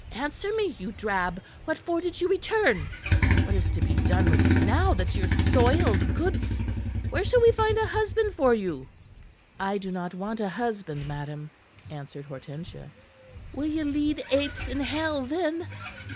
"Answer me, you drab! What for did you return? What is to be done with you now that y' are soiled goods? Where shall we find a husband for you?" "I do not want a husband, madam," answered Hortensia. "Will ye lead apes in hell, then?